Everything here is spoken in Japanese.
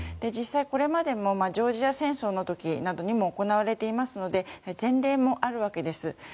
実際、これまでもジョージア戦争などでも行われていますので前例もあるわけです。